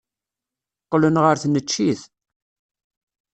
Qqlen ɣer tneččit.